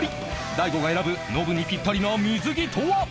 大悟が選ぶノブにピッタリな水着とは？